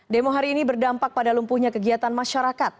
demo hari ini berdampak pada lumpuhnya kegiatan masyarakat